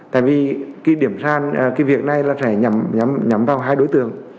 tại vì cái việc này sẽ nhắm vào hai đối tượng